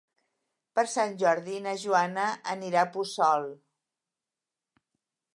Per Sant Jordi na Joana anirà a Puçol.